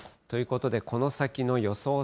ということで、この先の予想